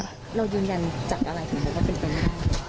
เรายืนยันจากอะไรถึงบอกว่าเป็นตรงนี้